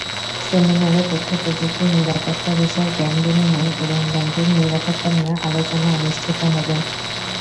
সেমিনারে তথ্যপ্রযুক্তির নিরাপত্তা বিষয়ে জ্ঞান বিনিময় এবং ব্যাংকিং নিরাপত্তা নিয়ে আলোচনা অনুষ্ঠিত হবে।